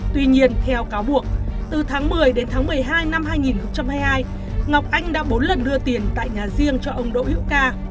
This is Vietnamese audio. tuy nhiên theo cáo buộc từ tháng một mươi đến tháng một mươi hai năm hai nghìn hai mươi hai ngọc anh đã bốn lần đưa tiền tại nhà riêng cho ông đỗ hữu ca